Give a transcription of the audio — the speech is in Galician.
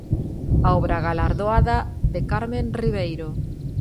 A obra galardoada de Carmen Riveiro.